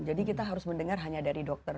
jadi kita harus mendengar hanya dari dokter